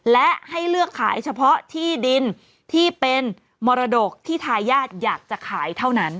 และให้เลือกขายเฉพาะที่ดินที่เป็นมรดกที่ทายาทอยากจะขายเท่านั้น